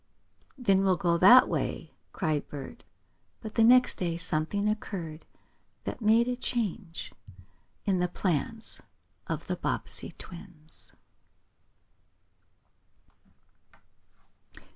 "Then we'll go that way!" cried Bert. But the next day something occurred that made a change in the plans of the Bobbsey twins.